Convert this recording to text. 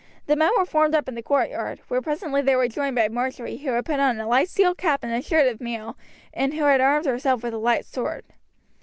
The men were formed up in the courtyard, where presently they were joined by Marjory who had put on a light steel cap and a shirt of mail, and who had armed herself with a light sword.